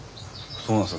そうなんです